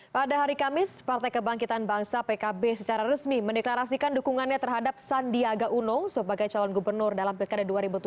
pada hari kamis partai kebangkitan bangsa pkb secara resmi mendeklarasikan dukungannya terhadap sandiaga uno sebagai calon gubernur dalam pilkada dua ribu tujuh belas